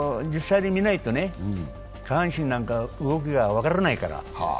実際に見ないと下半身なんか動きが分からないから。